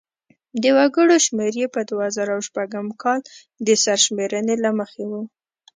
د وګړو شمیر یې په دوه زره شپږم کال د سرشمېرنې له مخې و.